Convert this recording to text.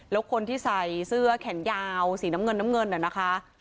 แล้วคนที่ใส่เสื้อแขนยาวสีน้ำเงินนะคะ